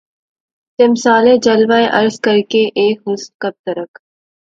تمثالِ جلوہ عرض کر اے حسن! کب تلک